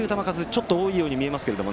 ちょっと多いように見えますが。